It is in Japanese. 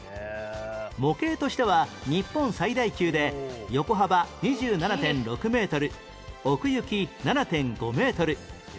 模型としては日本最大級で横幅 ２７．６ メートル奥行き ７．５ メートル